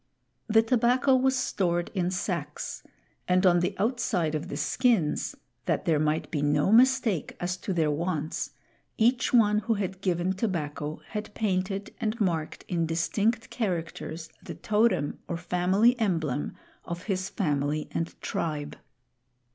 The tobacco was stored in sacks, and on the outside of the skins, that there might be no mistake as to their wants, each one who had given tobacco had painted and marked in distinct characters the totem or family emblem of his family and tribe.